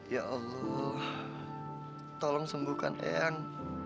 ya allah tolong sembuhkan eyang